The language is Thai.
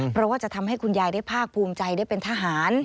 เพราะว่าจะทำให้คุณยายได้ภาคภูมิใจได้เป็นทหาร